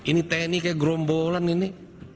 ini tni kayak gerombolan ini